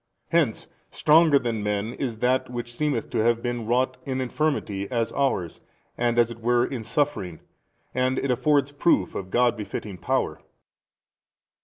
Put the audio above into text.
Hence stronger than men is that which seemeth to have been wrought in infirmity as ours and as it were in suffering, and it affords proof of God befitting power.